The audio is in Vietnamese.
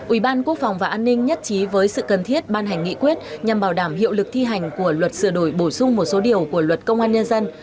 ủy ban quốc phòng và an ninh nhất trí với sự cần thiết ban hành nghị quyết nhằm bảo đảm hiệu lực thi hành của luật sửa đổi bổ sung một số điều của luật công an nhân dân